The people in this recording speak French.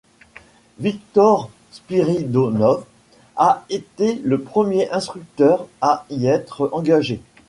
Viktor Spiridonov a été le premier instructeur à y être engagé.